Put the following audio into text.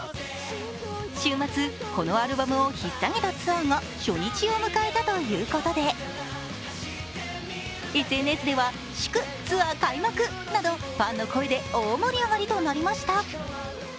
週末このアルバムをひっさげたツアーが初日を迎えたということでＳＮＳではファンの声で大盛り上がりとなりました。